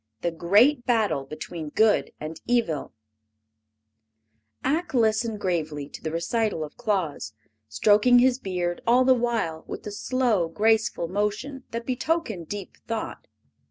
The Great Battle Between Good and Evil Ak listened gravely to the recital of Claus, stroking his beard the while with the slow, graceful motion that betokened deep thought.